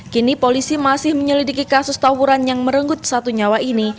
kini polisi masih menyelidiki kasus tawuran yang merenggut satu nyawa ini